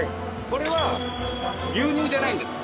これは牛乳じゃないんですか？